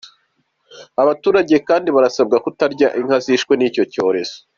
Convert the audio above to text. Abaturage kandi barasabwa kutarya inka zishwe n’icyo cyorezo.